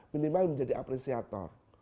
minimal menjadi apresiator